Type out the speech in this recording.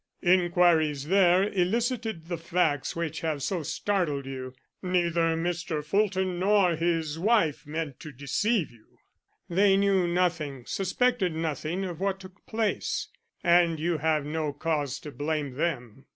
"Inquiries there elicited the facts which have so startled you. Neither Mr. Fulton nor his wife meant to deceive you. They knew nothing, suspected nothing of what took place, and you have no cause to blame them.